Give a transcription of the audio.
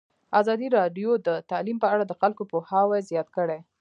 ازادي راډیو د تعلیم په اړه د خلکو پوهاوی زیات کړی.